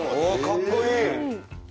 おぉかっこいい！